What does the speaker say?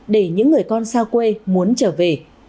để những người con xa quê muốn trở về